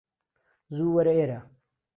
زوو وەرە ئێرە